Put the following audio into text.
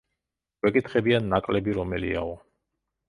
გვეკითხებიან ნაკლები რომელიაო.